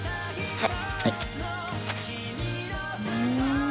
はい。